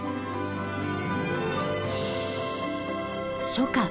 初夏。